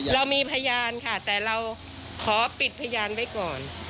เรามีพยานค่ะแต่เราขอปิดพยานไว้ก่อน